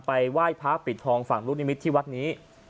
ไหว้พระปิดทองฝั่งลูกนิมิตรที่วัดนี้